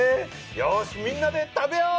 よしみんなで食べよう！